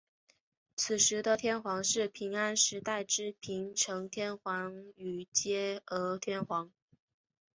此时的天皇是平安时代之平城天皇与嵯峨天皇。